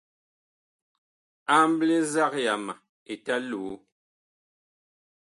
Amɓle nzag yama Eta Loo.